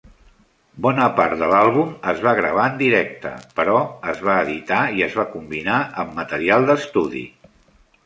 Bona part de l'àlbum es va gravar en directe, però es va editar i es va combinar amb material d'estudi.